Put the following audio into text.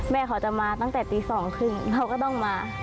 แม่เขาจะมาตั้งแต่ตี๒๓๐เขาก็ต้องมา